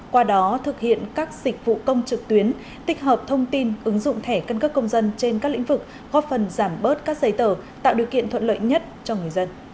qua đó thực hiện các dịch vụ công trực tuyến tích hợp thông tin ứng dụng thẻ căn cấp công dân trên các lĩnh vực góp phần giảm bớt các giấy tờ tạo điều kiện thuận lợi nhất cho người dân